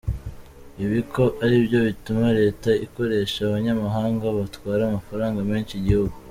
Ibi ko aribyo bituma Leta ikoresha abanyamahanga batwara amafaranga menshi igihugu.